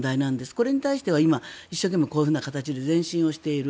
これに対しては今一生懸命こういう形で前進をしている。